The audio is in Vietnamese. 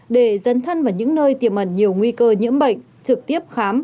để dân thân vào những nơi tiềm ẩn nhiều nguy cơ nhiễm bệnh trực tiếp khám